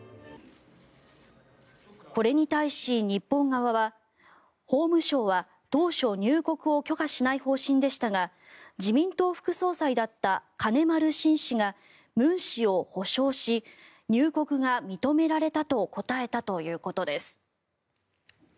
これに対し、日本側は法務省は当初、入国を許可しない方針でしたが自民党副総裁だった金丸信氏がムン氏を保証し入国が認められたと答えたということです。